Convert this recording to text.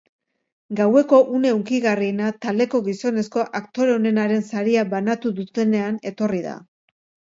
Gaueko une hunkigarriena taldeko gizonezko aktore onenaren saria banatu dutenean etorri da.